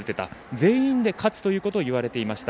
全員で勝つということを言われていました。